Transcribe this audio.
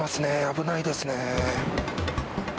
危ないですね。